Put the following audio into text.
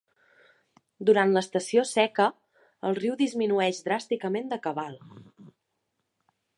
Durant l'estació seca el riu disminueix dràsticament de cabal.